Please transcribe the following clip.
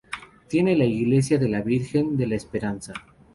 Tiene la iglesia de la Virgen de la Esperanza.